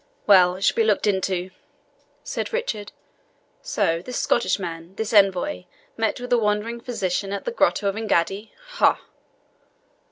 "Well, it shall be looked into," said Richard. "So this Scottish man, this envoy, met with a wandering physician at the grotto of Engaddi ha?"